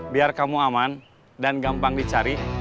biar kamu aman dan gampang dicari